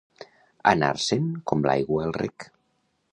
Anar-se'n com l'aigua al rec.